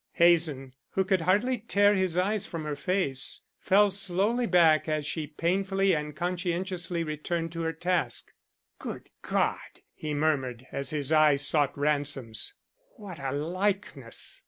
Hazen, who could hardly tear his eyes from her face, fell slowly back as she painfully and conscientiously returned to her task. "Good God!" he murmured, as his eye sought Ransom's. "What a likeness!"